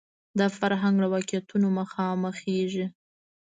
دا فرهنګ له واقعیتونو مخامخېږي